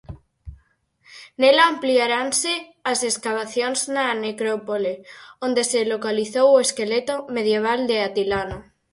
Nela ampliaranse as escavacións na necrópole onde se localizou o esqueleto medieval de Atilano.